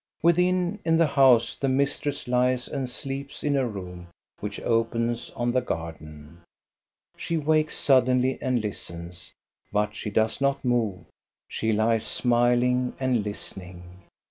Within, in the house, the mistress lies and sleeps in a room which opens on the garden. She wakes sud denly and listens, but she does not move. She lies smiling and listening.